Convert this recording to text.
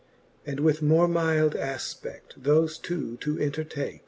And with more myld afped thofe two to entertake.